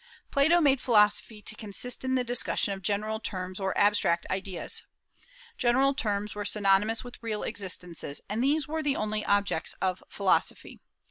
Plato made philosophy to consist in the discussion of general terms, or abstract ideas. General terms were synonymous with real existences, and these were the only objects of philosophy.